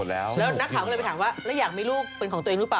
แล้วนักข่าวก็เลยไปถามว่าแล้วอยากมีลูกเป็นของตัวเองหรือเปล่า